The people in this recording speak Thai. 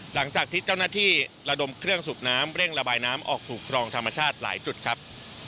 หลังจากที่เจ้าหน้าที่ระดมเครื่องสูบน้ำเร่งระบายน้ำออกสู่ครองธรรมชาติหลายจุดครับ